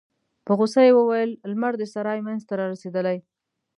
په غوسه يې وویل: لمر د سرای مينځ ته رارسيدلی.